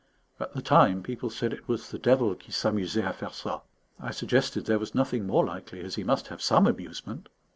At the time, people said it was the devil qui s'amusait à faire ça. I suggested there was nothing more likely, as he must have some amusement.